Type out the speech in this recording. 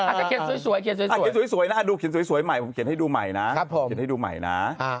อาจจะเขียนสวยดูเขียนสวยใหม่ผมเขียนให้ดูใหม่นะ